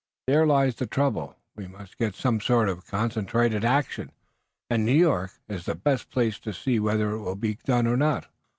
There lies the trouble. We must get some sort of concentrated action." "And New York is the best place to see whether it will be done or not."